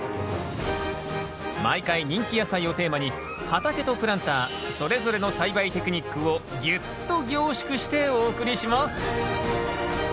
毎回人気野菜をテーマに畑とプランターそれぞれの栽培テクニックをぎゅっと凝縮してお送りします。